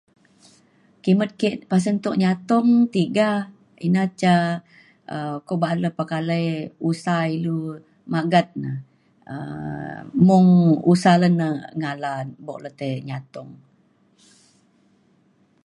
kimet ke pasen tuk nyatong tiga ina ca um ko ba'an le pekalai usa ilu magat na um mong usa le ne ngala bok le tei nyatong